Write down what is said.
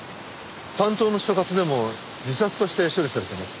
担当の所轄でも自殺として処理されてます。